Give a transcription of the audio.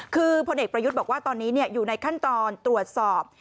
คือพลเอกประยุทธ์บอกว่าตอนนี้อยู่ในขั้นตอนตรวจสอบ